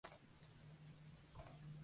Recht se localiza en su borde oriental.